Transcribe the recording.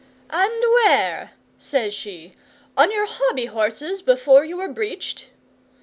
'"And where?" says she. "On your hobby horses before you were breeched?"